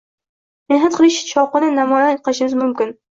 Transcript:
Mehnat qilish shavqini namoyon qilishimiz mumkin